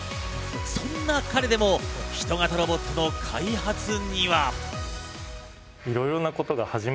そんな彼でも人型ロボットの開発には。